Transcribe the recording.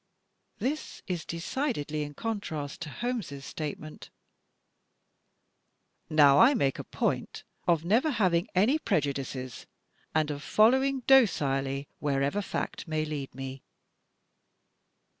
This is decidedly in contrast to Holmes' statement, " Now I make a point of never having any prejudices, and of fol lowing docilely wherever fact may lead me."